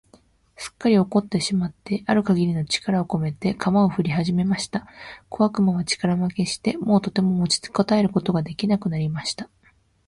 すっかり怒ってしまってある限りの力をこめて、鎌をふりはじました。小悪魔は力負けして、もうとても持ちこたえることが出来なくなりました。